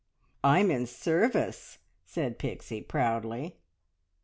"I'm in service!" said Pixie proudly.